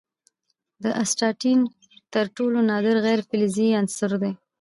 د اسټاټین تر ټولو نادر غیر فلزي عنصر دی.